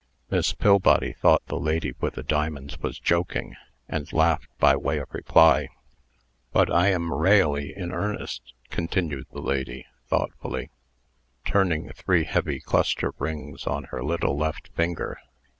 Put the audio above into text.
Miss Pillbody thought the lady with the diamonds was joking, and laughed by way of reply. "But I am ra ally in earnest," continued the lady, thoughtfully, turning three heavy cluster rings on her little left finger.